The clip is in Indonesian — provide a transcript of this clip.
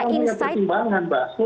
jangan punya pertimbangan mbak